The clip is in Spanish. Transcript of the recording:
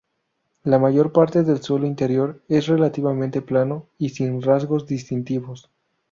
La mayor parte del suelo interior es relativamente plano y sin rasgos distintivos.